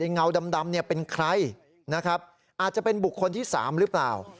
เงาดำเนี่ยเป็นใครนะครับอาจจะเป็นบุคคลที่๓หรือเปล่า